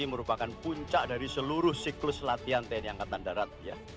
merupakan puncak dari seluruh siklus latihan tni angkatan darat